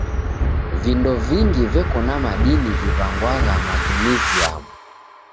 Vindo vingi veko na madini ghiw'angwagha magnesiamu.